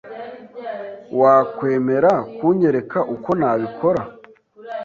Wakwemera kunyereka uko nabikora?